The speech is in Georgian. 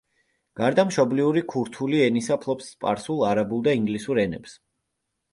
გარდა მშობლიური ქურთული ენისა ფლობს სპარსულ, არაბულ და ინგლისურ ენებს.